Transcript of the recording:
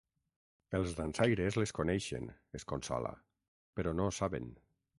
Els dansaires les coneixen, es consola, però no ho saben.